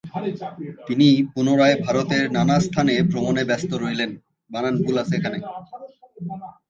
তিনি পুনরায় ভারতের নানা স্থানে ভ্রমনে ব্যস্ত রইলেন।